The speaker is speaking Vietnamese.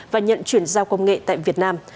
và nhận chuyển giao công nghệ tại việt nam